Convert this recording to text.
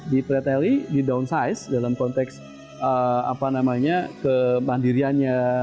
di preteli di downsize dalam konteks kemandiriannya